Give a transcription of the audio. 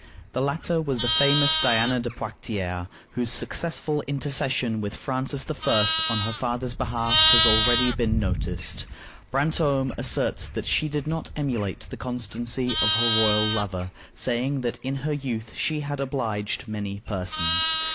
The latter was the famous Diana de Poictiers, whose successful intercession with Francis I. on her father's behalf has been already noticed. Brantome asserts that she did not emulate the constancy of her royal lover, saying that in her youth she had "obliged many persons."